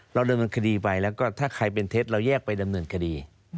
เราดำเนินคดีไปแล้วก็ถ้าใครเป็นเท็จเราแยกไปดำเนินคดี